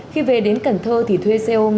khi về đến cần thơ thì thuê xe ôm